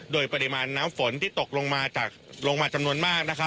โดยปริมาณน้ำฝนที่ตกลงมาจากลงมาจำนวนมาก